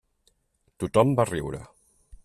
Tothom va riure.